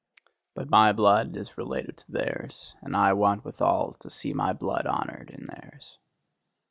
But my blood is related to theirs; and I want withal to see my blood honoured in theirs."